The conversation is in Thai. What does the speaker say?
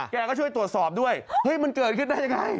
แกก็ช่วยตรวจสอบด้วยเฮ้ยมันเกิดขึ้นได้ยังไง